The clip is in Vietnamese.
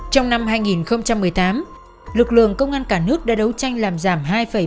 trong năm hai nghìn một mươi tám lực lượng công an cả nước đã đấu tranh làm giảm hai bảy mươi